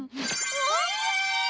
おいしい！